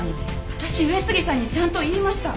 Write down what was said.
私上杉さんにちゃんと言いました！